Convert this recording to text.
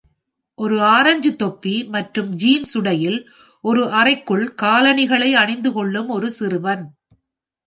ஒரு ஆரஞ்சு தொப்பி மற்றும் ஜீன்ஸ் உடையில் ஒரு அறைக்குள் காலணிகளை அணிந்துகொள்ளும் ஒரு சிறுவன்.